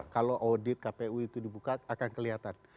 kalau audit kpu itu dibuka akan kelihatan